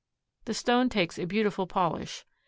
The stone takes a beautiful polish.